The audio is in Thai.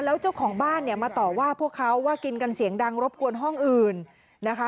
แล้วเจ้าของบ้านเนี่ยมาต่อว่าพวกเขาว่ากินกันเสียงดังรบกวนห้องอื่นนะคะ